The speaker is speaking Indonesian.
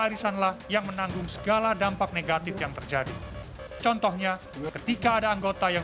arisanlah yang menanggung segala dampak negatif yang terjadi contohnya ketika ada anggota yang